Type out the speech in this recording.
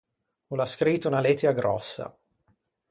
O l’à scrito unna lettia gròssa.